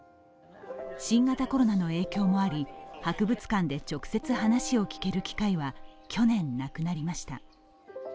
新型コロナの影響もあり、博物館で直接話を聞ける機会は去年、なくなりました。